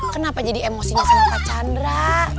kenapa jadi emosinya sama pak chandra